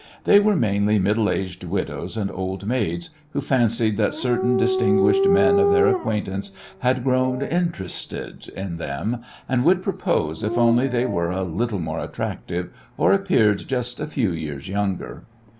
They were mainly middle aged widows and old maids, who fancied that certain distinguished men of their acquaintance had grown "interested" in them, and would propose if only they were a little more attractive or appeared just a few years younger.